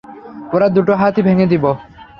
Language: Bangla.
ওর দুটো হাতই ভেঙ্গে দিবো।